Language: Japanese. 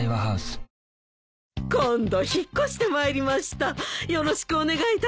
今度引っ越してまいりました。